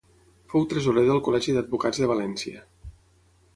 Fou tresorer del Col·legi d'Advocats de València.